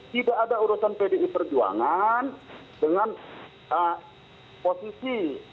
tidak ada urusan pdi perjuangan dengan posisi kepentingan moda pangkat lap independent